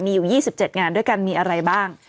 มีอยู่๒๗งานด้วยกันมีอะไรบ้าง